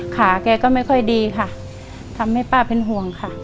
แกก็ไม่ค่อยดีค่ะทำให้ป้าเป็นห่วงค่ะ